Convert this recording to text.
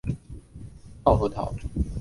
泡核桃为胡桃科胡桃属下的一个种。